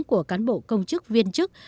của cán bộ công chức viên chức